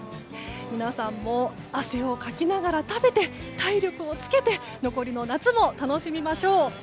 皆さん、汗をかきながら食べて体力をつけて残りの夏も楽しみましょう。